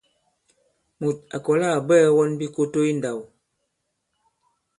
Mùt à kɔ̀la à bwɛɛ̄ wɔn bikoto i ndāw.